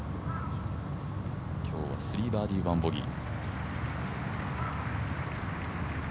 今日は３バーディー・１ボギー。